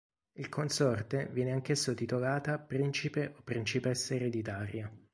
Il consorte viene anch'esso titolata principe o principessa ereditaria.